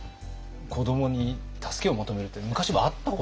子どもに助けを求めるって昔はあったことなんですか？